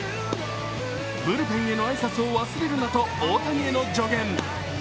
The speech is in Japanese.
ブルペンへの挨拶を忘れるなと大谷への助言。